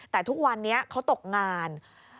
แต่ทุกวันนี้เขาตกงาน